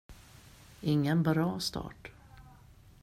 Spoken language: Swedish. Ingen bra start.